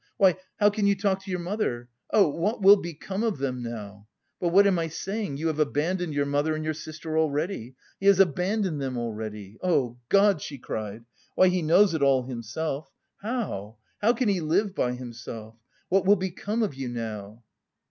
Why, how can you talk to your mother? (Oh, what will become of them now?) But what am I saying? You have abandoned your mother and your sister already. He has abandoned them already! Oh, God!" she cried, "why, he knows it all himself. How, how can he live by himself! What will become of you now?"